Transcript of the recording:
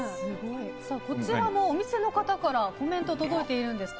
こちらもお店の方からコメントが届いています。